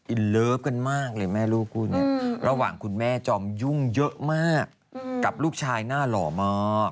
เลิฟกันมากเลยแม่ลูกคู่นี้ระหว่างคุณแม่จอมยุ่งเยอะมากกับลูกชายหน้าหล่อมาก